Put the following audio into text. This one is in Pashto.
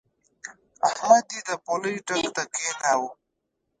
احمد يې د پولۍ ټک ته کېناوو.